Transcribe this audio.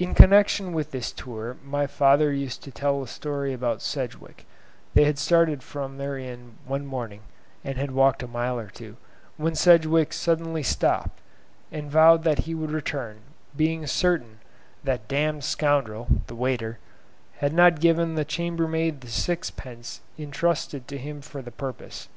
(In connection with this tour my father used to tell a story about Sedgwick: they had started from their inn one morning, and had walked a mile or two, when Sedgwick suddenly stopped, and vowed that he would return, being certain "that damned scoundrel" (the waiter) had not given the chambermaid the sixpence intrusted to him for the purpose.